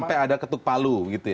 sampai ada ketuk palu gitu ya